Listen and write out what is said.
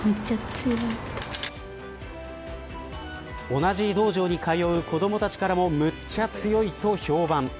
同じ道場に通う子どもたちからもむっちゃ強いと評判。